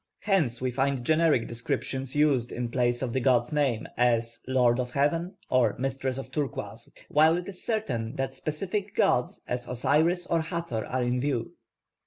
Hence we find generic descriptions used in place of the god's name, as 'lord of heaven,' or 'mistress of turquoise,' while it is certain that specific gods as Osiris or Hathor are in view.